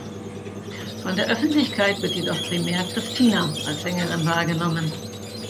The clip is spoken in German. Von der Öffentlichkeit wird jedoch primär Christina als Sängerin wahrgenommen.